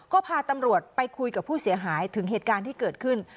ก็พาตำรวจไปคุยกับผู้เสียหายถึงเหตุการณ์ที่เกิดขึ้น